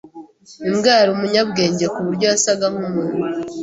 Imbwa yari umunyabwenge kuburyo yasaga nkumuntu.